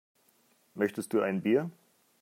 Möchtest du ein Bier?